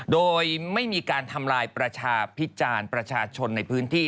โดยไม่มีการทำลายประชาพิจารณ์ประชาชนในพื้นที่